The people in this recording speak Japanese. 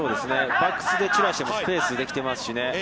バックスで散らしてもスペースができていますし。